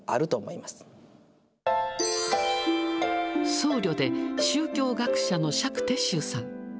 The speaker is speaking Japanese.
僧侶で宗教学者の釈徹宗さん。